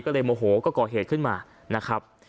ก็เลยโมโหก็ก่อเหตุขึ้นมานะครับ